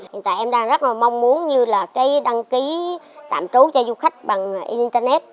hiện tại em đang rất là mong muốn như là cái đăng ký tạm trú cho du khách bằng internet